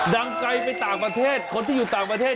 ดังไกลไปต่างประเทศคนที่อยู่ต่างประเทศ